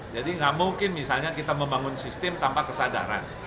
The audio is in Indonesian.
jadi nggak mungkin misalnya kita membangun sistem tanpa kesadaran